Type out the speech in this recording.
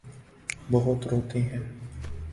بہت روتے ہیں۔